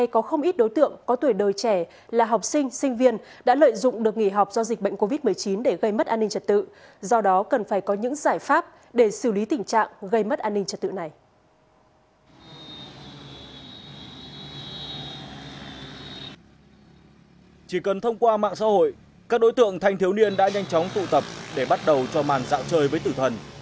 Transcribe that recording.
chỉ cần thông qua mạng xã hội các đối tượng thanh thiếu niên đã nhanh chóng tụ tập để bắt đầu cho màn dạo chơi với tử thần